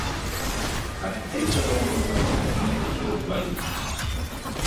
Архитектора он познакомил с нею еще в больнице.